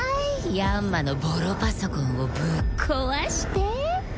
ヤンマのボロパソコンをぶっ壊して。